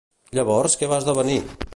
Llavors, què va esdevenir?